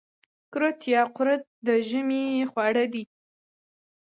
کورت یا قروت د ژمي خواړه دي.